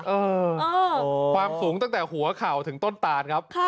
เออความสูงตั้งแต่หัวเข่าถึงต้นตานครับ